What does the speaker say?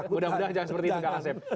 mudah mudahan jangan seperti itu kak asep